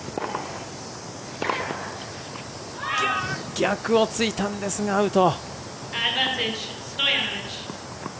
逆をついたんですがアウト。